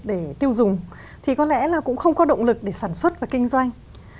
để tiêu dùng thì có lẽ là cũng không có động lực để sản xuất và kinh doanh